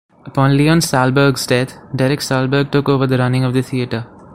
Upon Leon Salberg's death, Derek Salberg took over the running of the theatre.